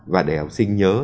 và để học sinh nhớ